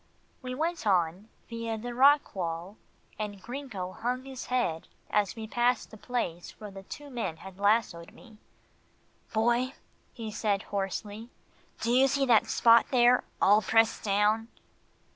We went on, via the rock walk, and Gringo hung his head as we passed the place where the two men had lassoed me. "Boy," he said hoarsely, "do you see that spot there, all pressed down?"